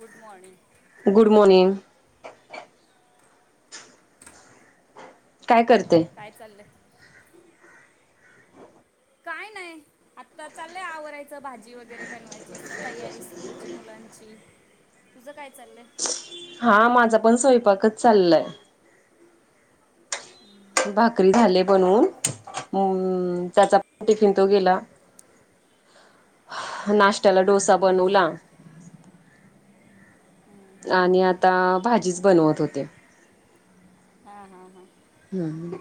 Good morning. Good morning. काय करते? काय चाललंय? काय नाही. आत्ता चाललंय आवरायचं, भाजी वगैरे बनवायची तयारी स्कूलची मुलांची. तुझं काय चाललंय? हा माझा पण स्वयंपाकच चाललाय. ह् भाकरी झाले बनवून अ त्याचा टिफिन तो गेला. नाश्त्याला डोसा बनवला. आणि आता, भाजीच बनवत होते. हा हा हा. हम्म.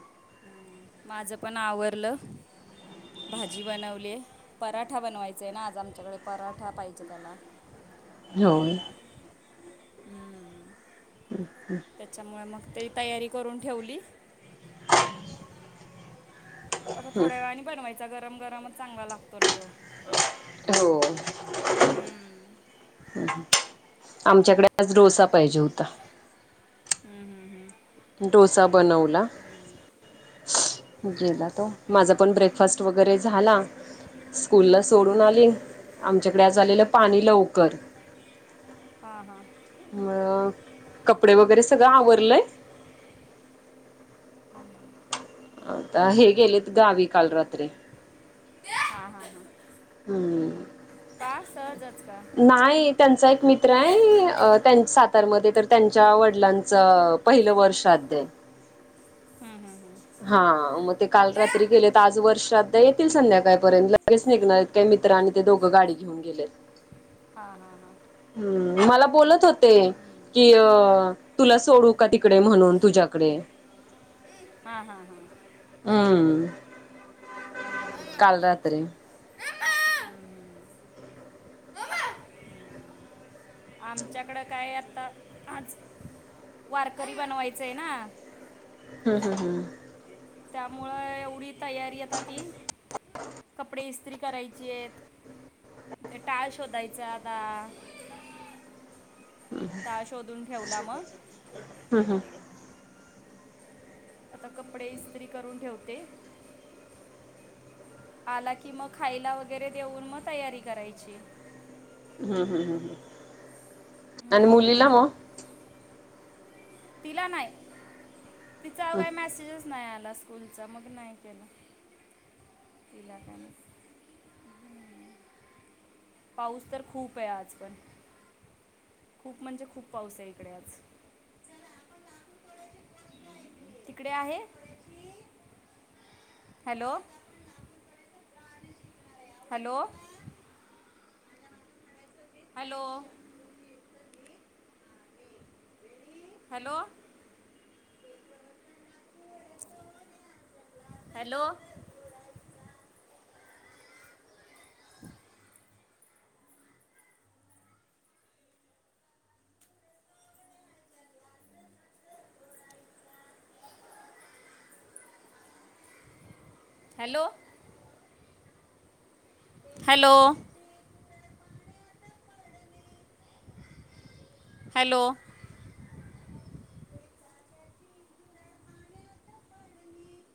माझं पण आवरलं. भाजी बनवली. पराठा बनवायचाय ना? आज आमच्याकडे पराठा पाहिजे त्याला. ह [inaudible] खायला हम्म. हम् हम्. त्याच्यामुळे मग ते तयारी करून ठेवली. आता थोड्या वेळाने बनवायचा गरम, गरमच चांगला लागतो ना तो. हो. हम्म. हम् ह. [inaudible] आमच्याकडे आज डोसा पाहिजे होता. हम हम हम्म. डोसा बनवला. गेला तो. माझा पण ब्रेकफास्ट वगैरे झाला. स्कूलला सोडून आली, आमच्याकडे आज आलेलं पाणी लवकर. हा हा. मग, कपडे वगैरे सगळं आवरलंय? हम्म. हो का? हे गेलेत गावी काल रात्री. हा. हा. हा. हम्म. का सहजच का? नाही. त्यांचा एक मित्र आहे. त्यांचा सातारमध्ये तर त्यांच्या वडिलांचं- पहिलं वर्ष श्राद्ध ए. हम. हम. हां. म ते काल रात्री गेलेत. आज वर्ष श्राद्ध ए. येतील संध्याकाळपर्यंत लगेच निघणारएत. ते मित्र आणि ते दोघं गाडी घेऊन गेलेत. हां. हां. हां. हम्म. मला बोलत होते हम्म. कि अ- तुला सोडू का तिकडे म्हणून तुझ्याकडे. हा. हा. हा. हम्म. काल रात्री. आमच्याकडं काय आत्ता, आज वारकरी बनवायचंय ना? हं. हं. हं. त्यामुळं एवढी तयारी आता ती, कपडे इस्त्री करायचीएत. ते टाळ शोधायचा आता. टाळ शोधून ठेवला मग? हम. हम. आता कपडे इस्त्री करून ठेवते. आला की मग खायला वगैरे देऊन मग तयारी करायची. हम्म. हम्. हं. आणि मुलीला हम्म. मग? तिला नाही. तिचा यावेळी म्यासेजच नाही आला स्कूलचा. मग नाही केलं. तिला काय नाही. पाऊस तर खूप आहे आज पण. खूप म्हणजे खूप पाऊस आहे इकडे आज. तिकडे आहे? Hello ‌. Hello. Hello. Hello. Hello. Hello. Hello. Hello.